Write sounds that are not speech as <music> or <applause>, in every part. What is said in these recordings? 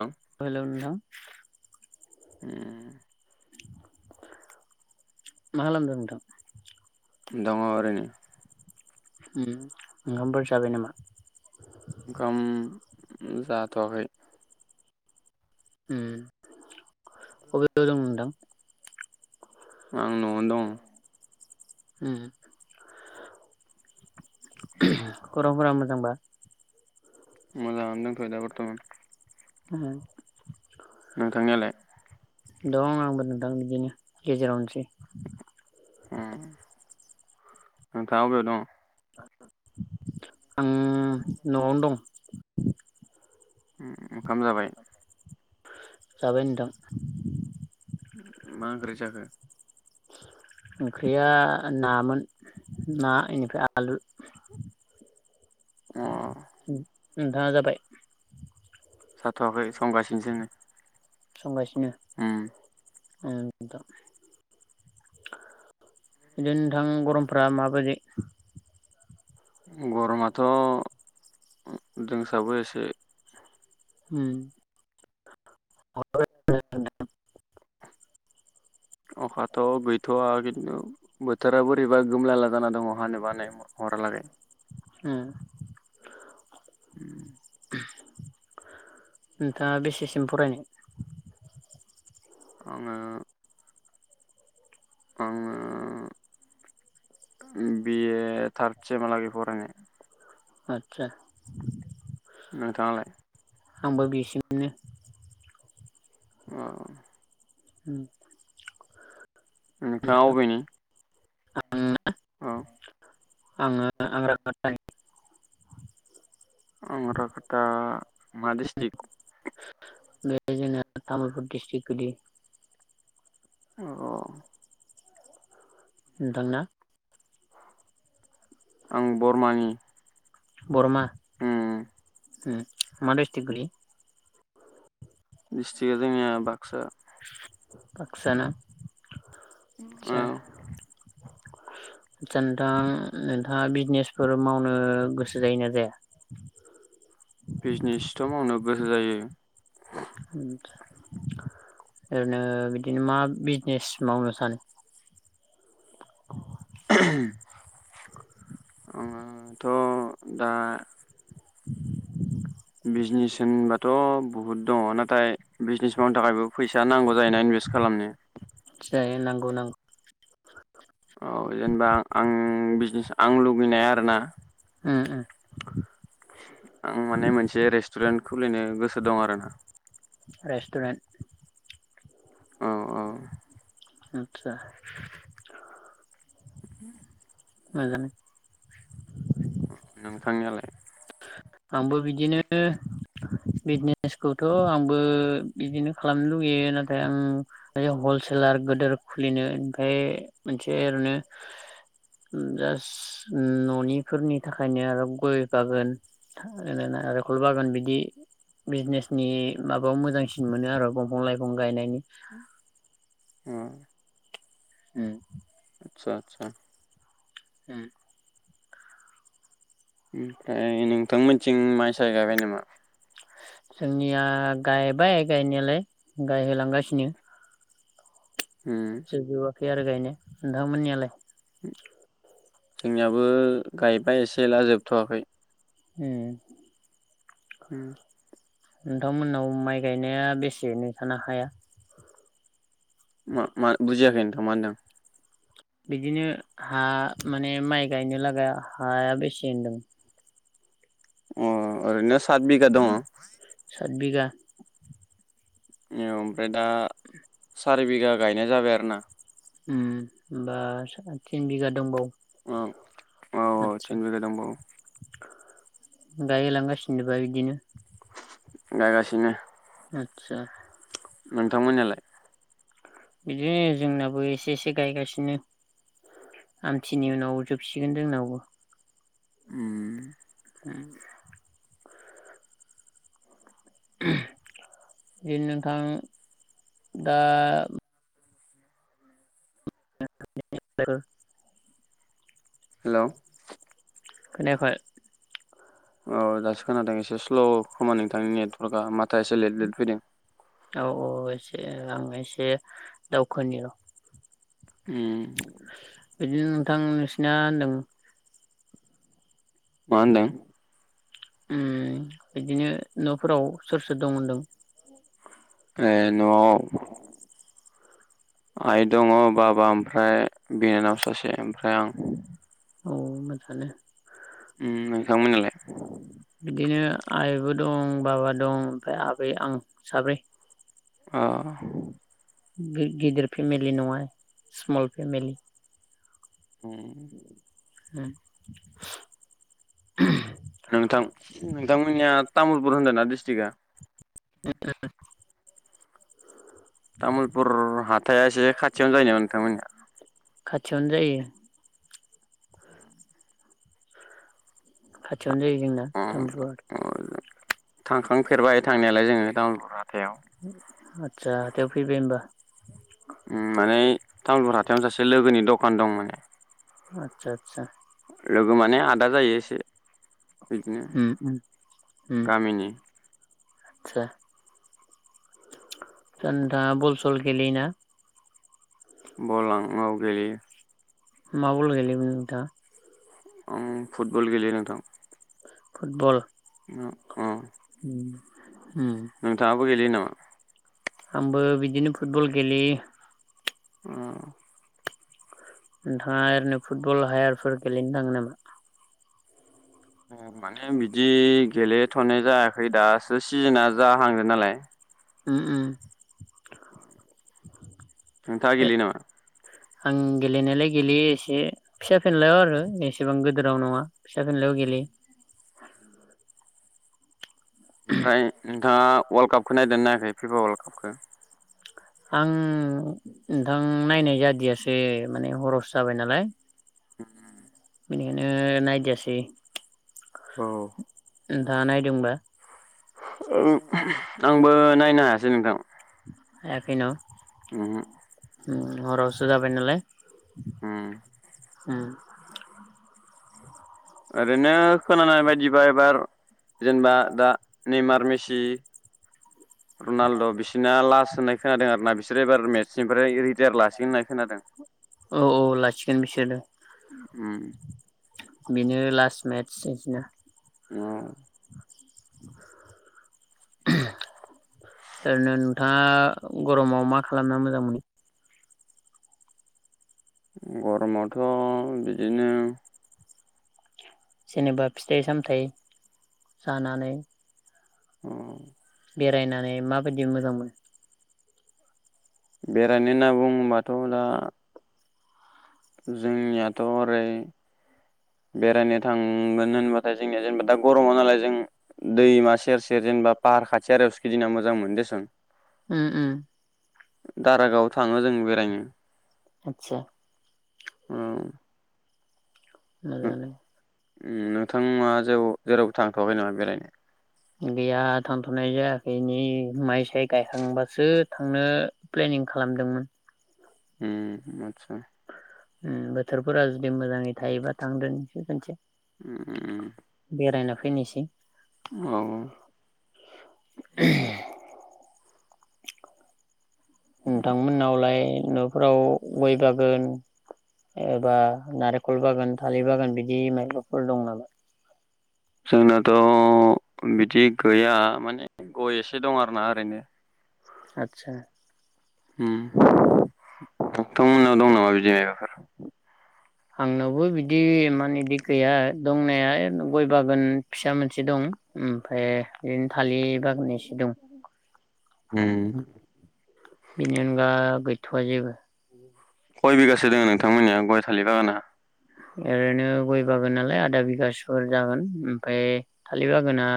आं <inaudible> हम मा लाबोदों नोंथां दङ ओरैनो ओंखामफोर जाबाय नामा? ओंखाम जाथ'वाखै <inaudible> आं न'आवनो दं <inaudible> खौरांफोरा मोजांबा? मोजांयानो दंथ'यो बरथमान। <inaudible> नोंथांनियालाय? दं आंबो नोंथां बिदिनो गेजेरावनोसै। ओं नोंथाङा बबेयाव दं आं न'आवनो दं। ओंखाम जाबाय? जाबाय नोंथां मा ओंख्रि जाखो? ओंख्रिया नामोन ना इनिफ्राय आलु आ नोथाङा जाबाय? जाथ'वाखै संगासिनो सोनो संगासि ओम ओम दा ‌ बिदिनो नोंथां गरमफ्रा माबोरै गरमाथ' ओ दोंसाबो एसे । ओम <unintelligible> अखाथ' गैथ'वा खिन्थु बोथोरा बोरैबा गोमलाला जाना दङ हानोबो हानाय हरालागै । ओम ओम नोंथाङा बेसेसिम फरायनाय? आङो आङो ओम बिए थार्ड सेम हालागै फरायनाय । आतचा नोंथांआलाय? आंबो बिसिमनो । ओ होम नोंथाङा अबेनि? आङो । अ। आङो आं <unintelligible> <unintelligible> बे जोंना तामुलपुर डिस्ट्रिक्ट गोलैयो । अह'। नोंथांना? आं बरमानि। बरमा उम ओम मा डिस्ट्रिक्ट गोलैयो? दिस्ट्रिक्टआ जोंनिया बाक्सा । बाक्सा ना? <unintelligible> औ <unintelligible> नोंथां नोंथाङा बिजिनेसफोर मावनो गोसो जायोना जाया? बिजिनेसथ' मावनो गोसो जायो । ओम ओरैनो बिदिनो मा बिजिनेस मावनो सानो? <inaudible> आङो थ' दा। बिजिनेस होनबाथ' बहुद दङ नाथाय बिजिनेस मावनो थाखायबो फैसा नांगौ जायोना इनभेस्ट खालामनो । जायो नांगौ नां औ जेनेबा आं बिजिनेस आं लुगैनाय आरोना। ओम ओम। आं माने मोनसे रेस्टुरेन्ट खुलिनो गोसो दं आरोना। रेस्टुरेन्ट। अ। आतसा। <unintelligible> <unintelligible> नोंथांनियालाय। आंबो बिदिनो बिजिनेसखौथ आंबो बिदिनो खालामनो लुुबैयो नाथाय आं बे हलसेलार गोदोर खुलिनो ओमफ्राय मोनसे ओरैनो जास्ट ननिफोरनि थाखायनो आरो गय बागोन। आरो नारिखल बागान बिदि बिजिनेसनि माबायाव मोजांसिन मोनो आरो। <unintelligible> लाइफं गायनाय अ <unintelligible> <unintelligible> उम। ओमफ्राय नोंथांमोनथिं माइ साय गायबाय नामा। जोंनिया गायबाय गायनायालाय गायहोलांगासिनो। उम। खै आरो गायनो नोंथांमोनियालाय। जोंनियाबो गायबाय एसे एला जोबथवाखै। उम। उम। नोंथांमोननाव माइ गायनाया बेसे नोंसाना हाया। मा मा बुजियाखै। <unintelligible> बिदिनो हा माने माइ गायनो लागाया हाया बेसे होनदों। अ ओरैनो सात बिगा दङ। साद बिगा ओमफ्राय दा सारि बिघा गायनाय जाबाय आरो ना। उम होमबा सो तिन बिघा दंबावो औ औ औ आतसा थिन बिगा दंबावो गायलांगासिनो बा बिदिनो गायगासिनो। आदसा नोंथां मोननियालाय? बिदिनो जोंनाबो एसे एसे गायगासिनो आमथिनि उनाव जोबसिगोन जोंनावबो। उम। ओम ओम इ नोंथां दा नि बे हेलौ ओ खोनायाखै औ दासो खोनादों एसे स्ल खोमा नोंथांनि नेटवर्कआ माथोआ एसे लेट लेट फैदों। ओ आं एसे दावखोनि र'। उम। बिदिनो नोंथां नोंसिना होनदों मा होनदों? ओम बिदिनो न'फोराव सोर सोर दं होनदों? ए नआव आइ दङ बाबा फ्राय बिनानाव सासे ओमफ्राय आं। औ मोजांआनो। ओम नोंथांमोनना लाय? बिदिनो आइबो दं बाबा दं ओमफ्राय आबै आं । अ बे गिदिर फेमिलि नङा स्मल फेमिलि। होम हो <unintelligible> नोंथां नोंथांमोननिया तामुलपुर होनदोंना दिस्ट्रिक्टआ? <inaudible> तामुलपुर हाथाया एसे खाथियावनो जायो नामा नोंथांमोनहा? खाथियावनो जायो। खाथियावनो जायो जोंना अ तामुलपुरा। अ थांखांफेरबाय थांनायालाय जों तामुलपुराव हाथाइाव आदसा हाथायाव फैबाय होमबा माने तमुलपुर हाथाइयाव सासे लोगोनि दखान दं माने। आतसा लोगो माने आदा जायो एसे बिदिनो उम गामिनि आतचा दा नोंथाङा बलसल गेलेयोना? बलाङआव गेलेयो <unintelligible> मा बल गेलेयोमोन नोंथाङा? आं फुटबल गेलेयो नोंथां। फुटबल? अ औ <unintelligible> उम नोंथांबो गेलेयो नामा? आंबो बिदिनो फुटबल गेलेयो। अ। नोंथाङा ओरैनो फुटबल हायारफोर गेलेनो थाङो नामा? माने बिदि गेलेथ'नाय जायाखै दासो सिजोन जाहांदों नालाय। ओम ओम। <inaudible> आं गेलेनायलाय गेलेयो एसे फिसा फेनलायाव आरो, एसेबां गोदोराव नङा फिसा फेनलायाव गेलेयो। ओमफ्राय नोंथाङा अवाल कापखौ नायदेर नाखै? फिफा अवाल कापखौ? आं नोंथां नायनाय जादियासो माने हरस जाबाय नालाय। बेनिखायनो नादियासै। औ। नोंथाङा नायदों होनबा? औ। आंबो नायनो हायासै नोंथां। हायाखै न'। ओम। हराव सो जाबाय नालाय। उम <inaudible> हम। ओरैनो खोनानाय बायदिबा एबार जेनेबा दा निमारमेसि होननाय खोनादों आरोना बिसोरो एबार मेट्सनिफ्राय रिटायार लासिगोन होननाय खोनादों। औ औ लाखिगोन बिसोरो। हम। बेनो लास्ट मेट बिदिनो। औ। ओरैनो नोंथाङा। गरमाव मा खालामना मोजां मोनो? गरमावथ' बिदिनो जेनेबा फिथाइ सामथायाइ जानानै उम बेरायनानै माबायदि मोजां मोन? बेरायनो होनना बुङोबाथ' दा जोंनियाथ' ओरै बेरायनो थांगोन होनबा जोंनिया जेनेबा दा गरमा नालाय जों दैमा सेर-सेर जेनेबा फाहार खाथि आरियावसो गिदिंना मोजां मोनो। उम उम <unintelligible> <unintelligible> दारागाव थाङो जों बेरायनो। आतसा औ नो मोजाङानो नोंथाङा जेराव थांथ'बाय नामा बेरायनो? गैया थांथ'नाय जायाखै नै माइ साय गायखांबासो थांनो प्लेनिं खालामदोंमोन। उम आतसा। उम बोथोरफोरा जुदि मोजांङै थायोबा थांदोनिसै खोनसे बेरायनो। फैनोसै। औ। <inaudible> नोंथांमोननावलाय न फ्राव गय बागोन एबा नारे कल बागान थालिर बागान बिदि माइबाफोर दं नामा? जोंनाथ' बिदि गैया माने गय एसे दं आरोना ओरैनो। आतसा। उम नोंथांमोननाव दं नामा बिदि मायबाफोर? आंनावबो बिदि माने दि गैया दंनाया गय बागान फिसा मोनसे दं ओमफाय ओरैनो थालिर बागान एसे दं, बेनि अनगा गै गैथ'वआ जेबो। खय बिगासो दङ नोंथांमोननिया गय थालिर बागाना? ओरैनो गय बागान नालाय आधा बिगाासोफोर जागोन ओमफाय थालिर बागाना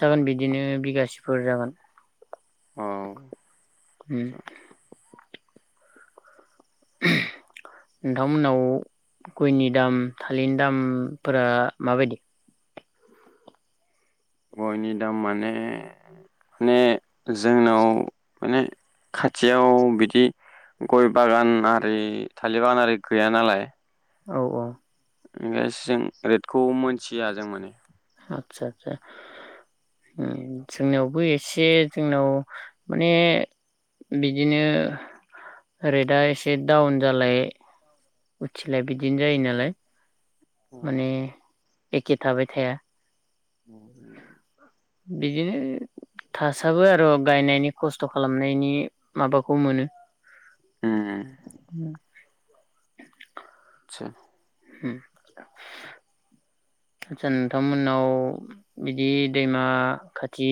जागोन बिदिनो बिगासेफोर जागोन। अ औ उम। नोंथांमोनाव गयनि दाम थालिरनि दामफोरा माबायदि गयनि दाम माने माने जोंनाव माने खाथियाव बिदि गय बागान आरि थालिर बागान आरि गैया नालाय औ औ बेसे रेटखौ मोनथिया जों माने आदसा आदसा जोंनावबो एसे जोंनाव माने बिदिनो रेटआ एसे डाउन जालाय उथिलाय बिदिनो जायो नालाय उम माने एखे थाबाय थाया <inaudible> बिदिनो थासाबो आरो गायनायनि खस्थ' खालामनायनि माबाखौ मोनो ओम <inaudible> आसा आसा नोंथांमोननाव बिदि दैमा खाथि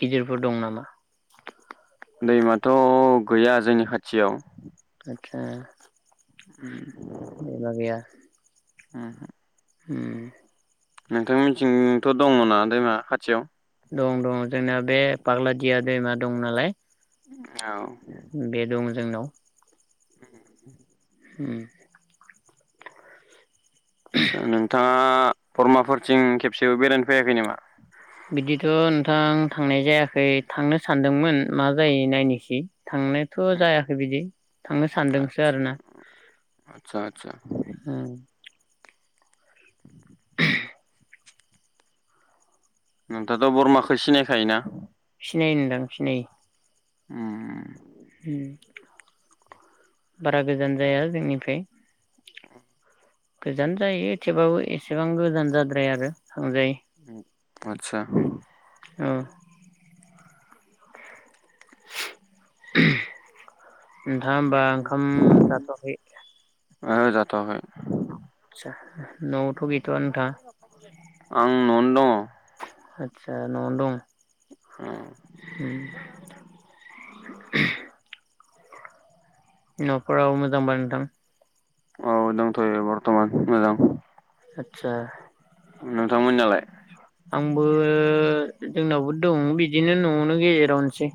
गिदिरफोर दं नामा दैमाथ' गैया जोंनि खाथियाव <unintelligible> <unintelligible> <unintelligible> ओमहो <unintelligible> नोंथांमोनथिं थ' दङ ना दैमा खाथियाव दं दं जोंना बे फाग्लादिया दैमा दं नालाय औ बे दं जोंनाव <unintelligible> ओम आसा नोंथाङा फोरमाफोरथिं खेबसेबो बेरायनो फैयाखै नामा बिदिथ' नोंथां थांनाय जायाखै थांनो सानदोंमोन मा जायो नायनोसै थांनायाथ' जायाखै बिदि थांनो सानदोंसो आरोना आतसा आतसा ओम <unintelligible> नोंथाथ' बरमाखौ सिनायखायोना सिनायो नोंथां सिनायो उम। उम बारा गोजान जाया जोंनिफ्राय गोजान जायो थेवबाबो एसेबां गोजान जाद्राया आरो। थांजायो उम आतसा। अ। <unintelligible> नोंथाङा होमबा ओंखाम जाथ'वाखै ओहो जाथ'आखै। आदसा न'आवथ' गै आं न'आवनो दं। आदसा न'आवनो दं। उम। <unintelligible> न'फोराव मोजांबा नोंथां। औ दंथ'यो बर थमान मोजां। आतसा। नोंथांमोननियालाय? आंबो जोंनावबो दं बिदिनो न'आवनो गेजेरावनोसै।